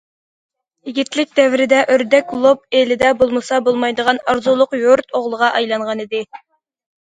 يىگىتلىك دەۋرىدە ئۆردەك لوپ ئېلىدە بولمىسا بولمايدىغان ئارزۇلۇق يۇرت ئوغلىغا ئايلانغانىدى.